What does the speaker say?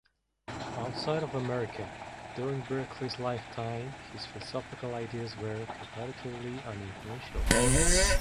Outside of America, during Berkeley's lifetime his philosophical ideas were comparatively uninfluential.